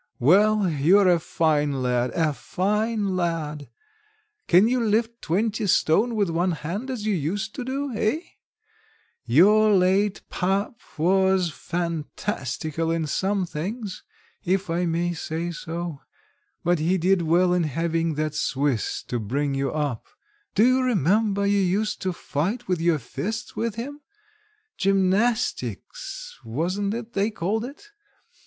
Well, you're a fine lad, a fine lad; can you lift twenty stone with one hand as you used to do, eh? Your late pap was fantastical in some things, if I may say so; but he did well in having that Swiss to bring you up; do you remember you used to fight with your fists with him? gymnastics, wasn't it they called it?